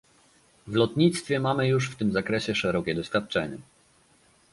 W lotnictwie mamy już w tym zakresie szerokie doświadczenie